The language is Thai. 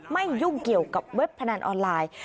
ยุ่งเกี่ยวกับเว็บพนันออนไลน์